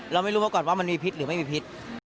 เราไม่รู้มาก่อนว่ามันมีพิษหรือไม่มีพิษ